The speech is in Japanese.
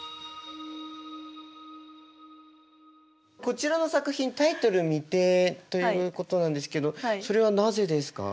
こちらの作品タイトル未定ということなんですけどそれはなぜですか？